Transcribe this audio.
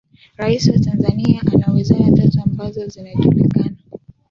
Rais wa Tanzania ana wizara tatu ambazo zinajulikana